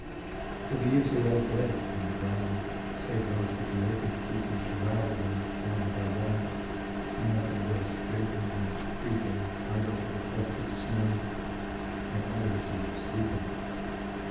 The leaves are all dead on the ground, Save those that the oak is keepingTo ravel them one by oneAnd let them go scraping and creepingOut over the crusted snow, When others are sleeping.